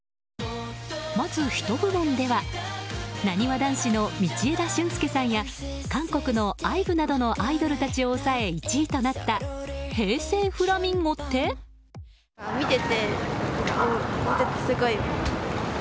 まず、ヒト部門ではなにわ男子の道枝駿佑さんや韓国のＩＶＥなどのアイドルたちを抑え１位となった平成フラミンゴって？